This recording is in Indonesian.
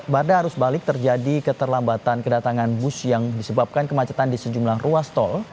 pada arus balik terjadi keterlambatan kedatangan bus yang disebabkan kemacetan di sejumlah ruas tol